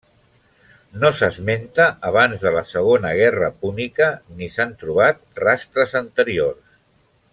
No s'esmenta abans de la Segona Guerra Púnica ni s'han trobat rastres anteriors.